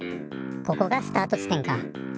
ここがスタート地点か。